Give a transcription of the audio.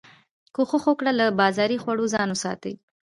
کوښښ وکړه له بازاري خوړو ځان وساتي